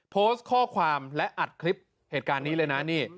โพสต์ข้อความและอัดคลิปเหตุการณ์นี้เลยนะนี่